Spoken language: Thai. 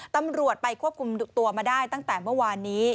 ตำรวจไปควบคุมตัวมาได้ตั้งแต่เมื่อวานนี้